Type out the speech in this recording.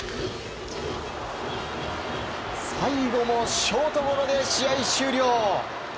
最後もショートゴロで試合終了。